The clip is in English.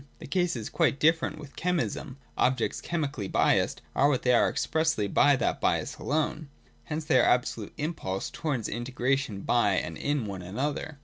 The case is quite different with chemism. Objects chemically biassed are what they are expressly by that bias alone. Hence they are the absolute impulse towards in tegration by and in one another.